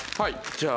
じゃあ。